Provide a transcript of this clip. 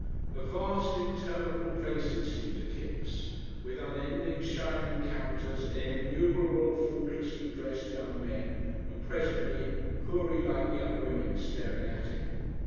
A vast interminable place it seemed to Kipps, with unending shining counters and innumerable faultlessly dressed young men and presently Houri like young women staring at him.